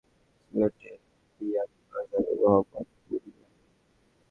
লন্ডনের অদূরে লুটন শহরে জন্ম নেওয়া নাদিয়ার পৈতৃক বাড়ি সিলেটের বিয়ানীবাজারের মোহাম্মদপুর গ্রামে।